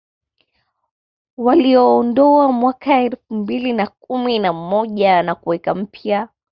Waliuondoa mwaka elfu mbili na kumi na moja na kuweka mpya